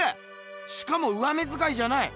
しかも上目づかいじゃない！